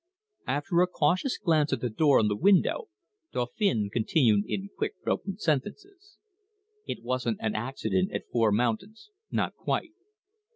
After a cautious glance at the door and the window, Dauphin continued in quick, broken sentences: "It wasn't an accident at Four Mountains not quite.